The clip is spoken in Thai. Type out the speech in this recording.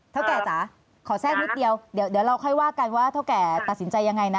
แก่จ๋าขอแทรกนิดเดียวเดี๋ยวเราค่อยว่ากันว่าเท่าแก่ตัดสินใจยังไงนะ